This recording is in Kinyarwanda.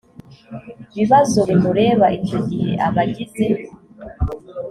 bibazo bimureba icyo gihe abagize